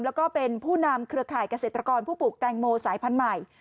แล้วก็เป็นผู้นำเครือข่ายเกษตรกรผู้ปลูกแตงโมสายพันธุ์ใหม่